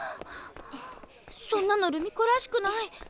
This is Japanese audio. そんなの留美子らしくない。